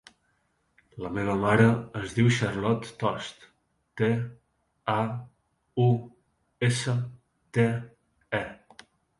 La meva mare es diu Charlotte Tauste: te, a, u, essa, te, e.